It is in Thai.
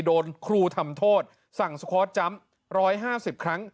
โดนครูทำโทษสั่งสคอร์ตจำ๑๕๐ครั้ง